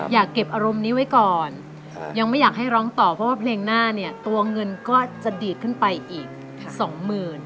อยากเก็บอารมณ์นี้ไว้ก่อนยังไม่อยากให้ร้องต่อเพราะว่าเพลงหน้าเนี่ยตัวเงินก็จะดีดขึ้นไปอีกสองหมื่น